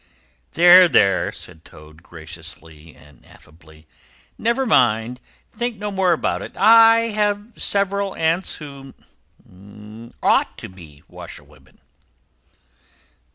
"There, there," said Toad, graciously and affably, "never mind; think no more about it. I have several aunts who ought to be washerwomen."